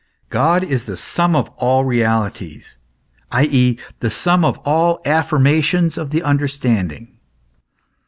God is the sum of all realities, i.e. the sum of all affirmations of the understanding.